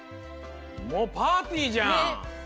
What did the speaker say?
もうパーティーじゃん！